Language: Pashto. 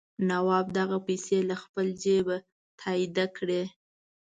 نواب دغه پیسې له خپله جېبه تادیه کړي.